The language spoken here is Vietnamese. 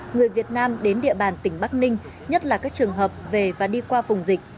người việt nam đến địa bàn tỉnh bắc ninh nhất là các trường hợp về và đi qua vùng dịch